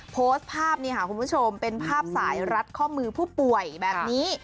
โพสต์ภาพนี่ค่ะคุณผู้ชมเป็นภาพสายรัดข้อมือผู้ป่วยแบบนี้